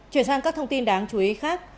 chuyển sang các thông tin đáng chú ý khác